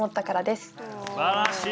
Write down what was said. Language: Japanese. すばらしい！